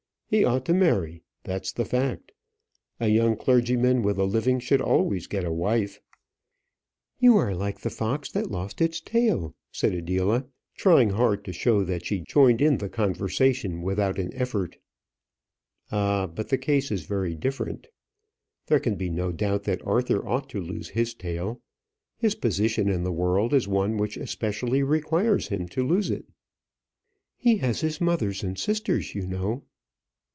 He ought to marry; that's the fact. A young clergyman with a living should always get a wife." "You are like the fox that lost its tail," said Adela, trying hard to show that she joined in the conversation without an effort. "Ah! but the case is very different. There can be no doubt that Arthur ought to lose his tail. His position in the world is one which especially requires him to lose it." "He has his mother and sisters, you know."